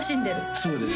そうです